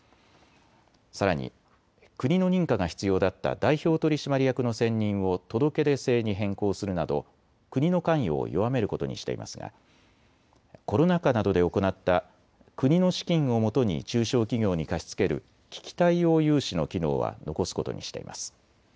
さらに、国の認可が必要だった代表取締役の選任を届け出制に変更するなど国の関与を弱めることにしていますがコロナ禍などで行った国の資金をもとに中小企業に貸し付ける危機対応融資の機能は残すことにしています。